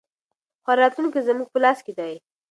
خو راتلونکی زموږ په لاس کې دی.